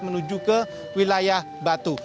menuju ke wilayah batu